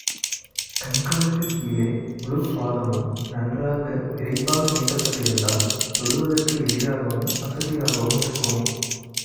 கணுக்காலுக்குக்கீழே முழுப் பாதமும் நன்றாக விறைப்பாக நீட்டப்பட்டிருந்தால், தொடுவதற்கு எளிதாகவும், வசதியாகவும் இருக்கும்.